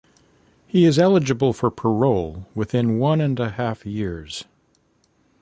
He is eligible for parole within one and a half years.